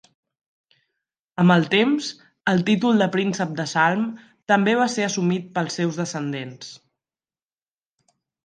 Amb el temps, el títol de príncep de Salm també va ser assumit pels seus descendents.